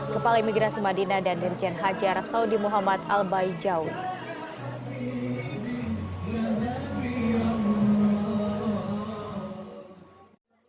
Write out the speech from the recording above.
kepala imigrasi madinah dan dirjen haji arab saudi muhammad al baijauh